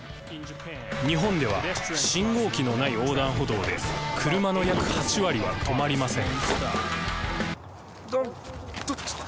日本では信号機のない横断歩道で車の約８割は止まりません。